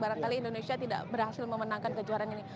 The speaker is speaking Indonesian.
barangkali indonesia tidak berhasil memenangkan kejuaraan ini